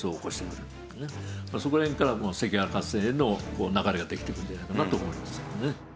そこら辺から関ヶ原合戦への流れができてくるんじゃないかなと思いますけどね。